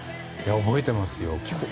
覚えてますよ。